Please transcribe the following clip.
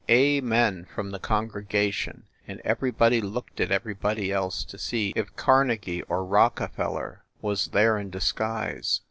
"Amen!" from the congregation, and everybody looked at everybody else to see if Carnegie or Rock efeller was there in disguise.